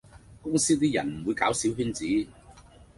公司啲人唔會搞小圈子